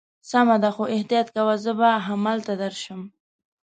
سمه ده، خو احتیاط کوه، زه به همالته درشم.